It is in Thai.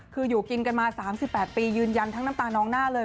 คืออยู่กินกันมา๓๘ปียืนยันทั้งน้ำตาน้องหน้าเลย